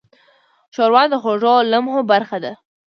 ښوروا د خوږو لمحو برخه ده.